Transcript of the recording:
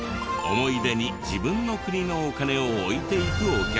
思い出に自分の国のお金を置いていくお客さんも。